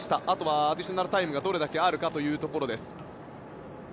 あとはアディショナルタイムがどれだけあるかというところ。